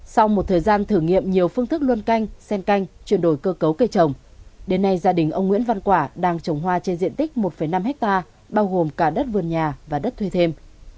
sau một thời gian thử nghiệm nhiều phương thức luân canh sen canh chuyển đổi cơ cấu cây trồng đến nay gia đình ông nguyễn văn quả đang trồng hoa trên diện tích một năm hectare bao gồm cả đất vườn nhà và đất thuê thêm